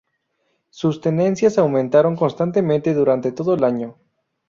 Sus tenencias aumentaron constantemente durante todo el año.